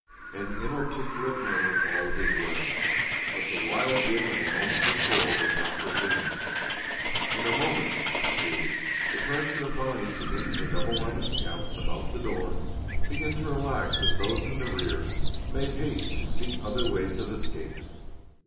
"] An inarticulate murmur followed his words, but the wild din of a moment before was not resumed. In a moment, too, the pressure of bodies against the double line of scouts about the door began to relax as those in the rear made haste to seek other ways of escape.